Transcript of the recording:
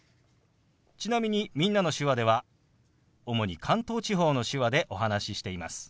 ちなみに「みんなの手話」では主に関東地方の手話でお話ししています。